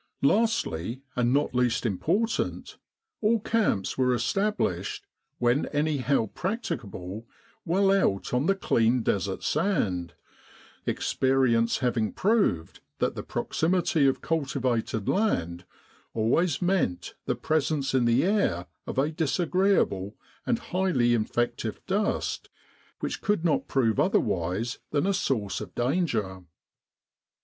Lastly, and not least important, all camps were established, when anyhow practicable, well out on the clean Desert sand, experience having proved that the proximity of cultivated land always meant the presence in the air of a disagreeable and highly infective dust which could not prove otherwise than a source of danger.